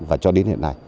và cho đến hiện nay